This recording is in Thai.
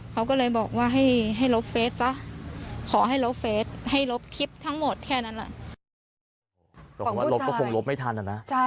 เขาก็เลยบอกว่าให้ลบเฟสซะขอให้ลบเฟสให้ลบคลิปทั้งหมดแค่นั้น